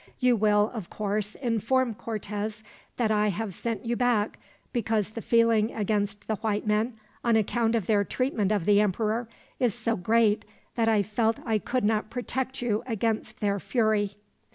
You will, of course, inform Cortez that I have sent you back because the feeling against the white men, on account of their treatment of the emperor, is so great that I felt that I could not protect you against their fury."